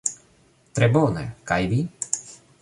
Tre bone kaj vi?